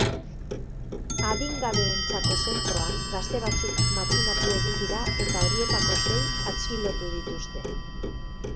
Adingabeentzako zentroan gazte batzuk matxinatu egin dira eta horietako sei atxilotu dituzte.